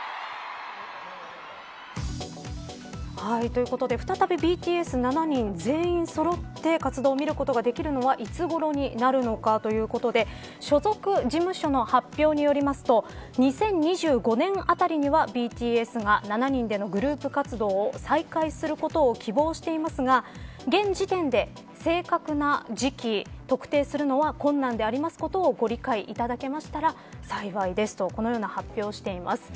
ということで再び、ＢＴＳ７人全員そろって活動を見ることができるのはいつごろになるのかということで所属事務所の発表によりますと２０２５年あたりにはＢＴＳが７人でのグループ活動を再開することを希望していますが現時点で正確な時期特定するのは困難でありますことをご理解いただけましたら幸いですとこのような発表をしています。